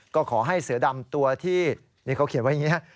ก็ขอให้เสือดำตัวที่นี่เขาเขียนไว้อย่างนี้ฮะ